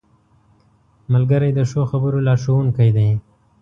ملګری د ښو خبرو لارښوونکی دی